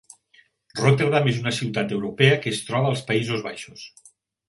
Rotterdam és una ciutat europea que es troba als Països Baixos.